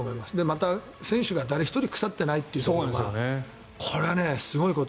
また、選手が誰一人腐っていないというところがこれはすごいこと。